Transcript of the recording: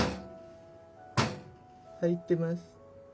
入ってます。